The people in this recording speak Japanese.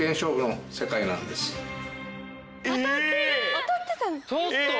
当たってた。